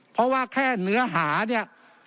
เพราะว่าแค่เนื้อหาเนี่ย